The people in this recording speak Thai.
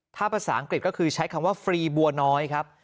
ถ้าภาษาอังกฤษก็คือใช้คำว่าฟรีบัวน้อยครับ